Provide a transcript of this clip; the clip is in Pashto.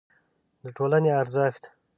د ټولنې ارزښت